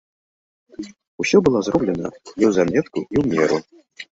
Усё было зроблена неўзаметку і ў меру.